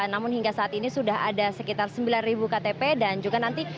namun hingga saat ini sudah ada sekitar sembilan ribu ktp dan juga nanti